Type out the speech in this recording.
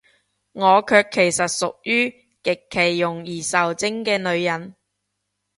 我卻其實屬於，極其容易受精嘅女人